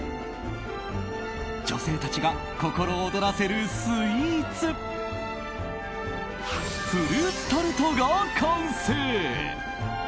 女性たちが心躍らせるスイーツフルーツタルトが完成！